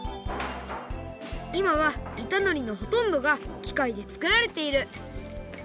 いまはいたのりのほとんどがきかいでつくられている。